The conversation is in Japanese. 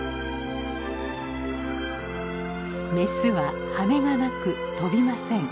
メスは羽がなく飛びません。